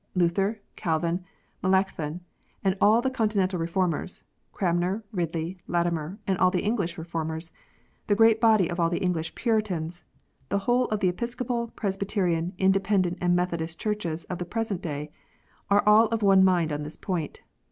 Luther, Calvin, Melanchthon, and all the Continental Reformers, Cranmer, Ridley, Latimer, and all the English Reformers, the great body of all the English Puritans, the whole of the Episcopal, Presbyterian, Independent, and Methodist Churches of the present day, are all of one mind on this point.